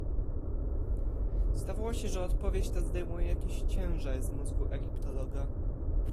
"Zdawało się, że odpowiedź ta zdejmuje jakiś ciężar z mózgu egiptologa."